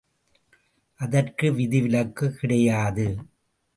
அதற்கு விதிவிலக்கு கிடையாது.